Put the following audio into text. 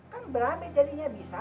kan berambil jadinya bisa